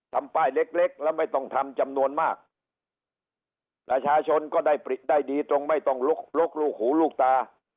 ทำป้ายเล็กเล็กแล้วไม่ต้องทำจำนวนมากประชาชนก็ได้ได้ดีตรงไม่ต้องลุกลกลูกหูลูกตา